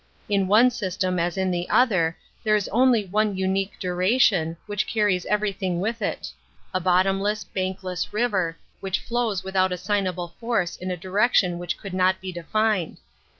/ In one system as in the other, there is only one unique duration, which carries every 62 An Introduction to thing with it — a bnttomlesB, banklese river, which flows without assignable force in a direction which could not be defined.